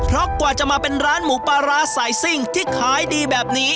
เพราะกว่าจะมาเป็นร้านหมูปลาร้าสายซิ่งที่ขายดีแบบนี้